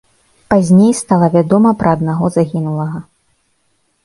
Пазней стала вядома пра аднаго загінулага.